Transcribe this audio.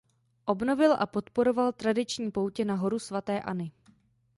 Obnovil a podporoval tradiční poutě na Horu svaté Anny.